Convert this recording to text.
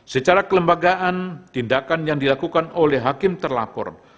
secara kelembagaan tindakan yang dilakukan oleh hakim terlapor